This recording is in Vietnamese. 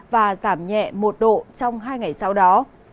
và giảm nhẹ một độ trong hai ngày sau đó